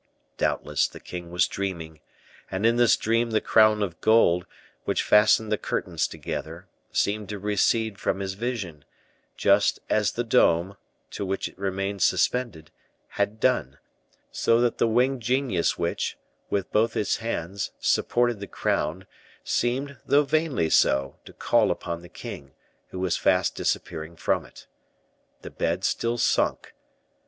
Doubtless the king was dreaming, and in this dream the crown of gold, which fastened the curtains together, seemed to recede from his vision, just as the dome, to which it remained suspended, had done, so that the winged genius which, with both its hand, supported the crown, seemed, though vainly so, to call upon the king, who was fast disappearing from it. The bed still sunk.